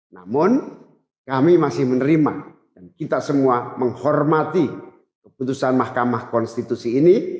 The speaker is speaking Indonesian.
namun kami masih menerima dan kita semua menghormati keputusan mahkamah konstitusi ini